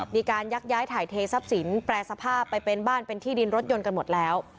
มีการยักย้ายถ่ายเททรัพย์สินแปรสภาพไปเป็นบ้านเป็นที่ดินรถยนต์กันหมดแล้ว